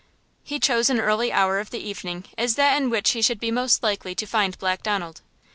He chose an early hour of the evening as that in which he should be most likely to find Black Donald.